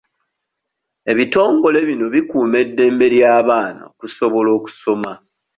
Ebitongole bino bikuuma eddembe ly'abaana okusobola okusoma.